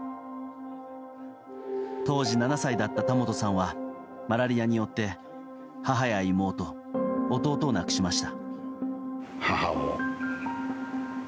当時、７歳だった田本さんはマラリアによって母や妹、弟を亡くしました。